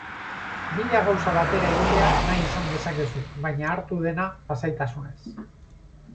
Mila gauza batera egitea nahi izan dezakezu baino hartu dena lasaitasunez.